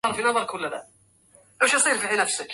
ياغزالا أراه ندا وضدا